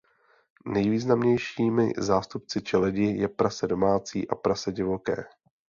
Nejvýznamnějšími zástupci čeledi je prase domácí a prase divoké.